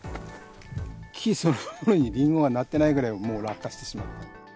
木そのものにりんごがなってないぐらい、もう落果してしまった。